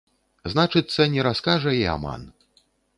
Значыцца, не раскажа і аман.